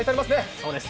そうですね。